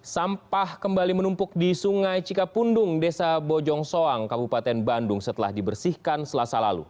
sampah kembali menumpuk di sungai cikapundung desa bojong soang kabupaten bandung setelah dibersihkan selasa lalu